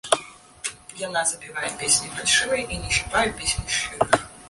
Яна забівае песні фальшывыя і не чапае песень шчырых.